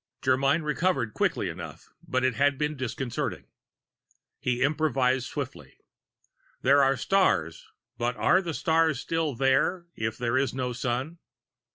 Germyn recovered quickly enough, but it had been disconcerting. He improvised swiftly: "There are stars, but are stars still there if there is no Sun?"